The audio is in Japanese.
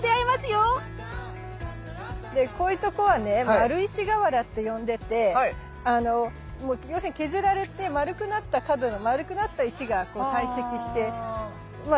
丸石河原って呼んでて要するに削られて丸くなった角の丸くなった石が堆積してまあ